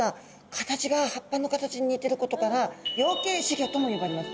形が葉っぱの形に似てることから葉形仔魚とも呼ばれます。